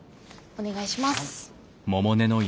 お願いします。